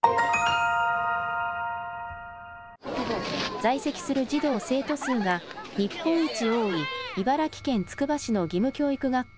在籍する児童・生徒数が、日本一多い茨城県つくば市の義務教育学校。